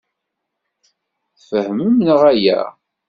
Tfehmem neɣ ala?